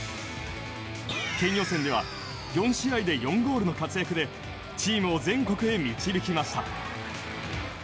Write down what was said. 県予選では４試合で４ゴールの活躍でチームを全国へ導きました。